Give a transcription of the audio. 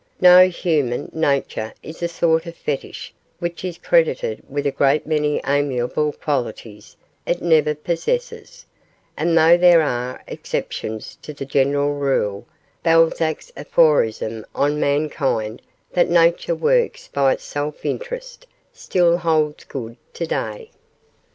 No; human nature is a sort of fetish which is credited with a great many amiable qualities it never possesses, and though there are exceptions to the general rule, Balzac's aphorism on mankind that 'Nature works by self interest,' still holds good today.